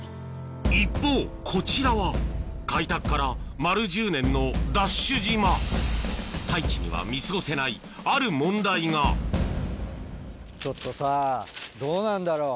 一方こちらは開拓から丸１０年のＤＡＳＨ島太一には見過ごせないある問題がそうなのよ。